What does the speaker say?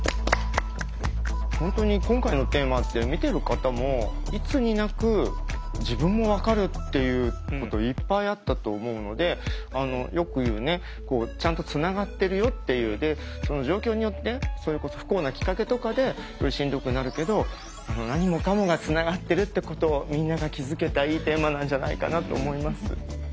本当に今回のテーマって見てる方もいつになく自分も分かるっていうこといっぱいあったと思うのでよく言うねちゃんとつながってるよっていうその状況によってそれこそ不幸なきっかけとかでしんどくなるけど何もかもがつながってるってことをみんなが気づけたいいテーマなんじゃないかなと思います。